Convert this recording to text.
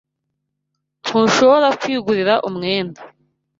Ntushobora kwigurira umwenda